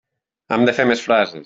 Hem de fer més frases.